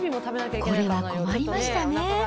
これは困りましたね。